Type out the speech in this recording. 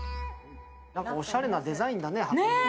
おしゃれなデザインだね。